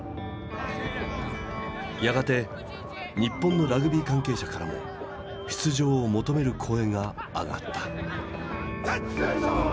やがて日本のラグビー関係者からも出場を求める声が上がった。